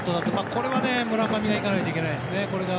これは村上が行かないといけないですね。